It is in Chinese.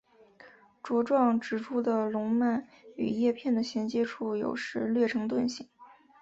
茁壮植株的笼蔓与叶片的衔接处有时略呈盾形。